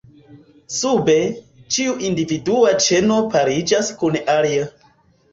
Sube, ĉiu individua ĉeno pariĝas kun alia.